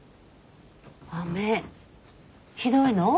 雨ひどいの？